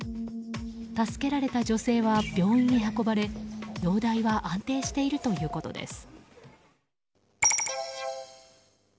助けられた女性は病院に運ばれ容体は安定しているということです。